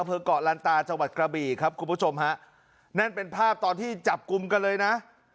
เกาะลันตาจังหวัดกระบี่ครับคุณผู้ชมฮะนั่นเป็นภาพตอนที่จับกลุ่มกันเลยนะ